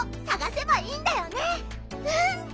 うん！